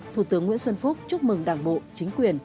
thủ tướng nguyễn xuân phúc chúc mừng đảng bộ chính quyền